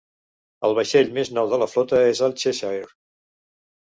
El vaixell més nou de la flota és el "Cheshire".